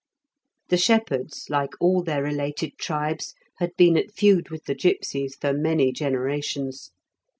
The shepherds, like all their related tribes, had been at feud with the gipsies for many generations.